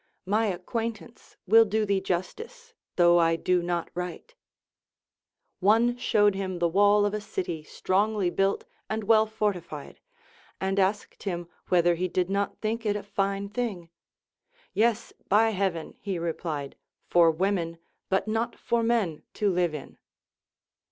My acquaintance will do thee justice, though I do not write. One showed him the wall of a city strongly built and well fortified, and asked him whether he did not think it a fine thing. Yes, by heaven, he replied, for women, but not for men to live in.